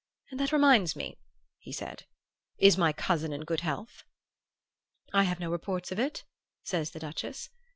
And that reminds me,' he said, 'is my cousin in good health?' "'I have no reports of it,' says the Duchess.